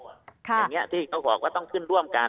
อย่างนี้ที่เขาบอกว่าต้องขึ้นร่วมกัน